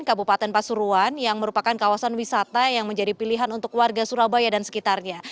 kabupaten pasuruan yang merupakan kawasan wisata yang menjadi pilihan untuk warga surabaya dan sekitarnya